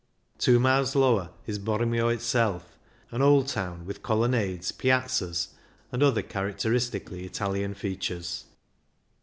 Two miles lower is Bormio itself, an old town with colonnades, piazzas, and other characteristically Italian features.